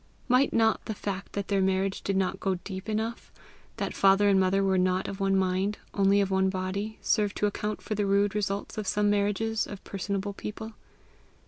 Might not the fact that their marriage did not go deep enough, that father and mother were not of one mind, only of one body, serve to account for the rude results of some marriages of personable people?